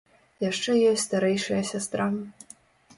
Яшчэ ёсць старэйшая сястра.